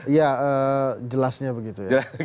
iya jelasnya begitu ya